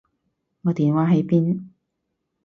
我電話喺邊？